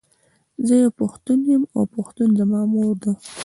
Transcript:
زۀ یو پښتون یم او پښتو زما مور ده.